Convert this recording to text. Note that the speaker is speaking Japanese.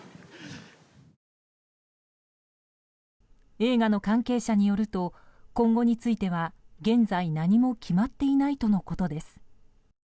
映画の関係者によると今後については現在、何も決まっていないとのことです。